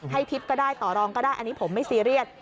ทิพย์ก็ได้ต่อรองก็ได้อันนี้ผมไม่ซีเรียส